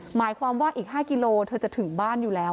หมายความว่าอีก๕กิโลเธอจะถึงบ้านอยู่แล้ว